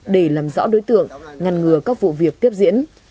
để làm rõ đối tượng ngăn ngừa các vụ việc tiếp diễn